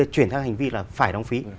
chuyển sang hành vi là phải đóng phí